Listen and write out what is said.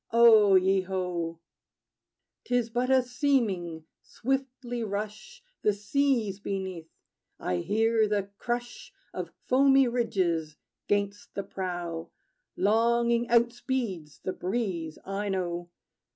O ye ho! 'T is but a seeming: swiftly rush The seas, beneath. I hear the crush Of foamy ridges 'gainst the prow. Longing outspeeds the breeze, I know.